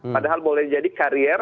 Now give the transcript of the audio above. padahal boleh jadi karier